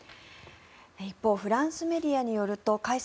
一方、フランスメディアによると開催